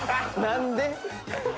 何で？